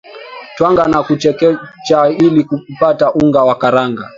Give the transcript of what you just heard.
twanga na kuchekecha ili upate unga wa karanga